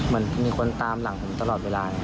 มันมีคนตามหลังผมตลอดเวลา